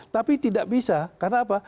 tapi tidak bisa karena apa